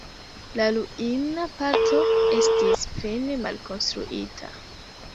La ruina parto estis plene malkonstruita.